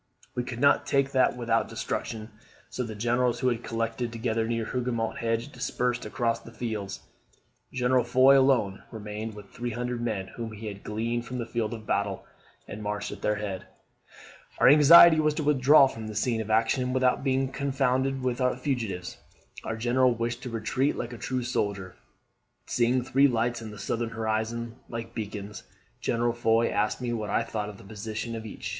We could not take that way without destruction; so the generals who had collected together near the Hougoumont hedge dispersed across the fields. General Foy alone remained with the 300 men whom he had gleaned from the field of battle, and marched at their head. Our anxiety was to withdraw from the scene of action without being confounded with the fugitives. Our general wished to retreat like a true soldier. Seeing three lights in the southern horizon, like beacons, General Foy asked me what I thought of the position of each.